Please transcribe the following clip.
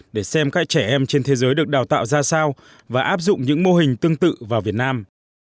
để xem các trẻ em trên thế giới được đào tạo ra sao và áp dụng những mô hình tương tự vào việt nam